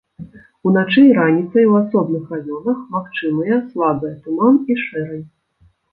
Уначы і раніцай у асобных раёнах магчымыя слабыя туман і шэрань.